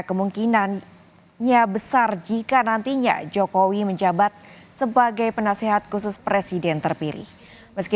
kemungkinannya besar jika nantinya jokowi menjabat sebagai penasehat khusus presiden terpilih meski